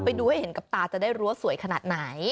ไปดูให้เห็นกับตาจะได้รู้ว่าสวยขนาดไหน